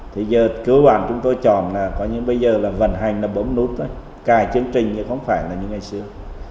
thì giờ cơ bản chúng tôi chọn là có những bây giờ là vận hành là bấm nút thôi cài chương trình thì không phải là như ngày xưa